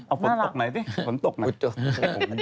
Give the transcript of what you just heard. เอาฝนตกไหนสิฝนตกไหน